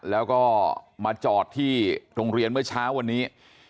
แล้วก็มาจอดที่โรงเรียนเมื่อเช้าวันนี้